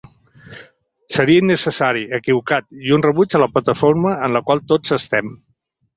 Seria innecessari, equivocat i un rebuig a la plataforma en la qual tots estem.